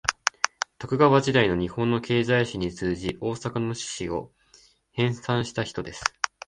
徳川時代の日本の経済史に通じ、大阪の市史を編纂した人です